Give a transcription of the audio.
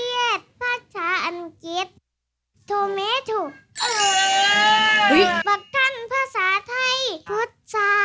โหภาษาไทยจิ้งลินภาษาอังกฤษ